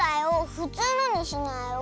ふつうのにしなよ。